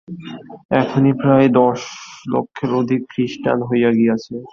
এখনই প্রায় দশ লক্ষের অধিক খ্রীষ্টান হইয়া গিয়াছে।